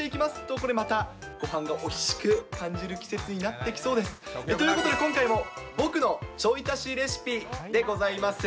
これまたごはんがおいしく感じる季節になってきそうです。ということで、今回も僕のちょい足しレシピでございます。